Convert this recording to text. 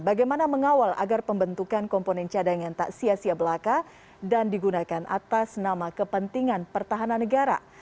bagaimana mengawal agar pembentukan komponen cadangan tak sia sia belaka dan digunakan atas nama kepentingan pertahanan negara